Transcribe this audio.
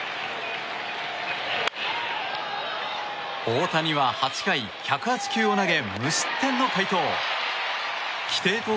大谷は８回１０８球を投げ無失点の快投。